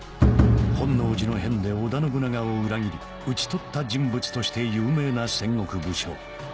本能寺の変で織田信長を裏切り討ち取った人物として有名な戦国武将